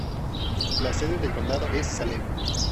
La sede del condado es Salem.